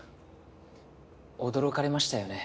驚かれましたよね。